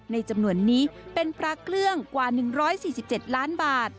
ในจำนวนนี้เป็นพระเครื่องกว่า๑๔๗ล้านบาท